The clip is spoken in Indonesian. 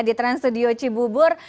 di trans studio cibubur